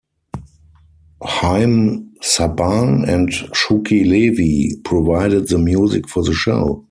Haim Saban and Shuki Levy provided the music for the show.